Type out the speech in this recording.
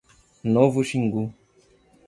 Novo Xingu